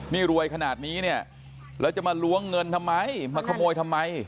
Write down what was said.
นี่รวยขนาดนี้เนี่ยแล้วจะมาล้วงเงินทำไมมาขโมยทำไม